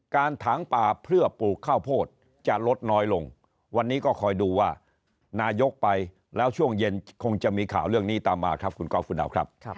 ถังป่าเพื่อปลูกข้าวโพดจะลดน้อยลงวันนี้ก็คอยดูว่านายกไปแล้วช่วงเย็นคงจะมีข่าวเรื่องนี้ตามมาครับคุณก๊อฟฟุดาวครับ